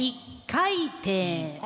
１回転。